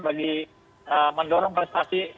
bagi mendorong prestasi